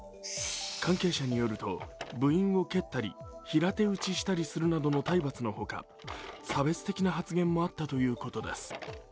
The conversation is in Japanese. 関係者によると、部員を蹴ったり平手打ちしたりするなどの体罰のほか差別的な発言もあったということです。